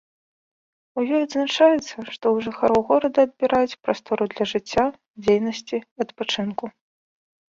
У ёй адзначаецца, што ў жыхароў горада адбіраюць прастору для жыцця, дзейнасці, адпачынку.